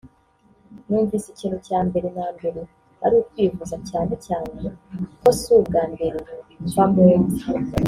Numvise ikintu cya mbere na mbere ari ukwivuza cyane cyane ko si ubwa mbere mva mu mva